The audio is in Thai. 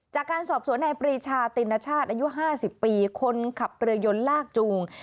จากการสอบสวนนายปรีชาตินชาติอายุ๕๐ปีคนขับเรือยนลากจูง